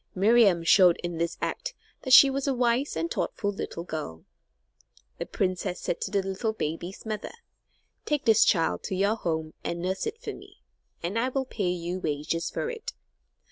Miriam showed in this act that she was a wise and thoughtful little girl. The princess said to the little baby's mother: "Take this child to your home and nurse it for me, and I will pay you wages for it."